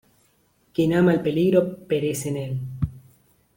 ¡ quien ama el peligro perece en él!